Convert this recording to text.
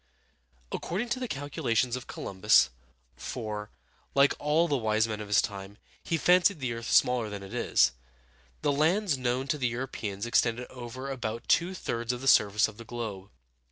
According to the calculations of Columbus, for, like all the wise men of his time, he fancied the earth smaller than it is, the lands known to the Europeans extended over about two thirds of the surface of the globe.